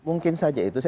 mungkin saja itu